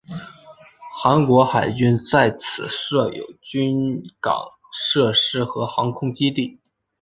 韩国海军在此设有军港设施和航空基地。